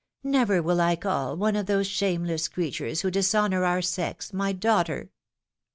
Never will I call one of those shameless creatures, who dishonor our sex, my daughter